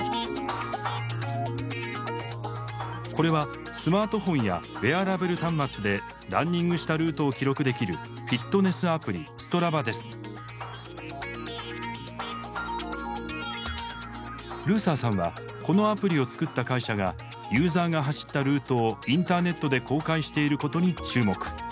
これはスマートフォンやウエアラブル端末でランニングしたルートを記録できるフィットネスアプリルーサーさんはこのアプリを作った会社がユーザーが走ったルートをインターネットで公開していることに注目。